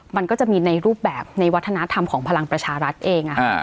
มันก็จะมีในรูปแบบในวัฒนธรรมของพลังประชารัฐเอง